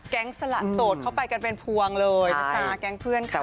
สละโสดเข้าไปกันเป็นพวงเลยนะจ๊ะแก๊งเพื่อนค่ะ